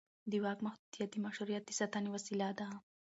د واک محدودیت د مشروعیت د ساتنې وسیله ده